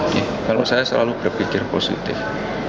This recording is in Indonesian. nih kalau saya selalu berpikir positif